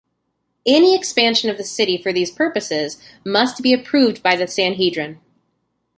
Any expansion of the city for these purposes must be approved by the Sanhedrin.